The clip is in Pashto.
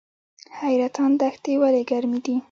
حیرتان دښتې ولې ګرمې دي؟